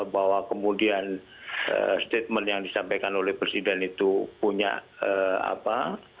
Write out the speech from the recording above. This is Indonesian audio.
bahwa kemudian statement yang disampaikan oleh presiden itu punya apa